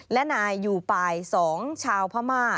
และนายยูปาย๒ชาวพม่า